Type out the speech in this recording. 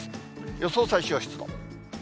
予想最小湿度。